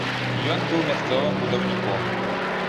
Ён быў мясцовым будаўніком.